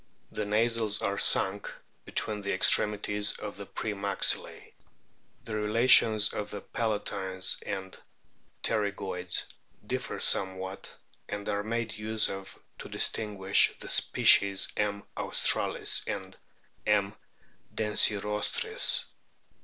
The nasals are sunk be tween the extremities of the pre maxillse. The. BEAKED WHALES 215 relations of the palatines and pterygoids differ somewhat, and are made use of to distinguish the o species HI. australis and M. densirostris.